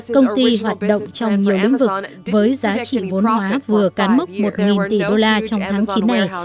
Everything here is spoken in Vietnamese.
công ty hoạt động trong nhiều lĩnh vực với giá trị vốn hóa vừa cán mốc một tỷ đô la trong tháng chín này